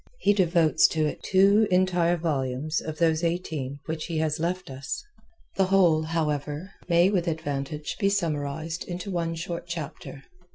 He devotes to it two entire volumes of those eighteen which he has left us. The whole, however, may with advantage be summarized into one short chapter.